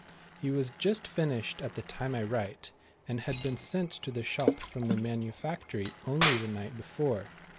He w^as just finished at the time I write, and had been sent to the shop from the manufactory only the night before.